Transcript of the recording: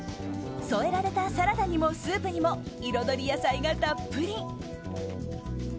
添えられたサラダにもスープにも彩り野菜がたっぷり。